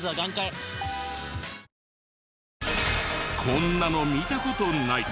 こんなの見た事ない！